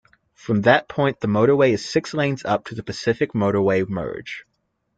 From that point the motorway is six lanes up to the Pacific Motorway Merge.